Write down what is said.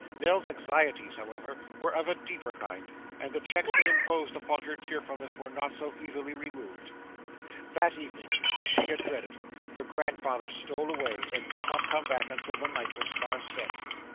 Nell's anxieties, however, were of a deeper kind, and the checks they imposed upon her cheerfulness were not so easily removed. That evening, as she had dreaded, her grandfather stole away, and did not come back until the night was far spent.